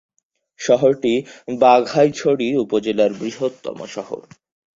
শহরটি বাঘাইছড়ি উপজেলার বৃহত্তম শহর।